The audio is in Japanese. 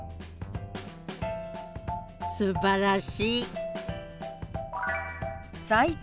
すばらしい！